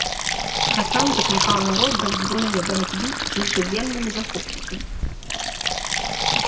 Хасан заклікаў народ да ўзброенай барацьбы з іншаземнымі захопнікамі.